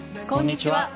こんにちは。